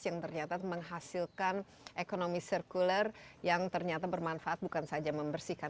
yang ternyata menghasilkan ekonomi sirkuler yang ternyata bermanfaat bukan saja membersihkan